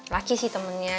laki sih temennya